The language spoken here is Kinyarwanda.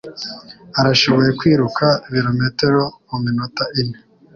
Arashoboye kwiruka ibirometero muminota ine